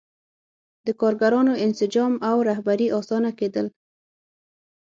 د کارګرانو انسجام او رهبري اسانه کېدل.